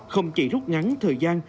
không chỉ rút ngắn thời gian